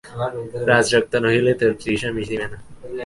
রাজরক্ত নহিলে তোর তৃষা মিটিবে না?